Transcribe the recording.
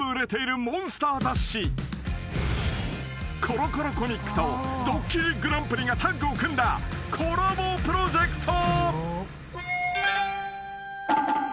［『コロコロコミック』と『ドッキリＧＰ』がタッグを組んだコラボプロジェクト］